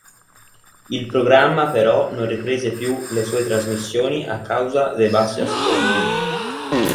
Il programma però non riprese più le sue trasmissioni a causa dei bassi ascolti.